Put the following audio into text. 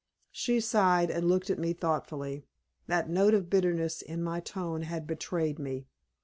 She sighed, and looked at me thoughtfully. That note of bitterness in my tone had betrayed me.